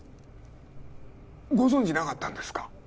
ご存じなかったんですか！？